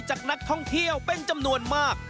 จากนักท่องเที่ยวเป็นจำนวนมาก